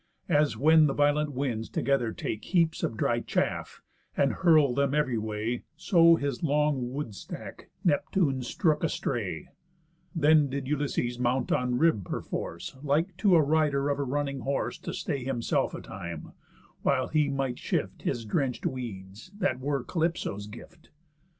As when the violent winds together take Heaps of dry chaff, and hurl them ev'ry way; So his long wood stack Neptune strook astray Then did Ulysses mount on rib, perforce, Like to a rider of a running horse, To stay himself a time, while he might shift His drenched weeds, that were Calypso's gift.